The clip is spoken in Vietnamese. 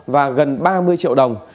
và gần ba mươi triệu đồng